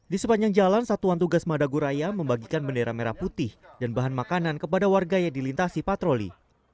di sepanjang jalan satuan tugas madagoraya membagikan bendera merah putih dan bahan makanan kepada warga yang dilintasi patroli